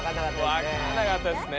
わかんなかったですね。